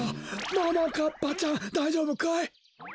ももかっぱちゃんだいじょうぶかい？